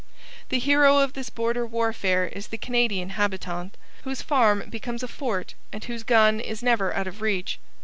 The hero of this border warfare is the Canadian habitant, whose farm becomes a fort and whose gun is never out of reach.